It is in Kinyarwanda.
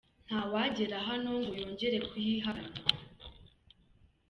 Nta wagera hano ngo yongere kuyihakana.